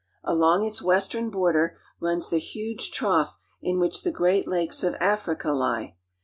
Along its western border runs the huge trough in which the great lakes of Africa lie.